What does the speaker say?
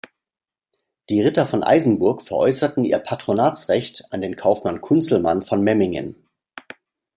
Die Ritter von Eisenburg veräußerten ihr Patronatsrecht an den Kaufmann Kunzelmann von Memmingen.